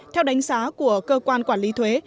theo đánh giá của cơ quan quản lý thuế